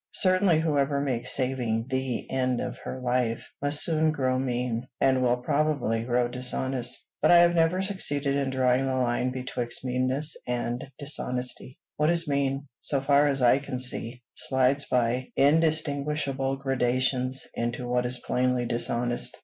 Certainly, whoever makes saving the end of her life, must soon grow mean, and will probably grow dishonest. But I have never succeeded in drawing the line betwixt meanness and dishonesty: what is mean, so far as I can see, slides by indistinguishable gradations into what is plainly dishonest.